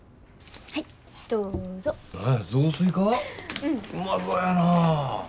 うまそやな。